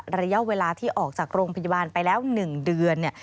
ระยะเวลาที่ออกจากโรงพยาบาลไปแล้ว๑เดือนเนี่ย